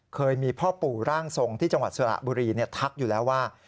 เคยมีพ่อปู่ร่างทรงที่จังหวัดสระบุรีทักอยู่แล้วว่า